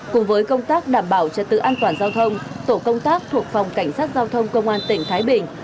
cùng với công tác đảm bảo trật tự an toàn giao thông tổ công tác thuộc phòng cảnh sát giao thông công an tỉnh thái bình